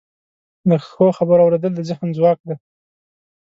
د ښو خبرو اوریدل د ذهن ځواک دی.